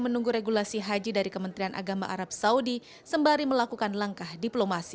menunggu regulasi haji dari kementerian agama arab saudi sembari melakukan langkah diplomasi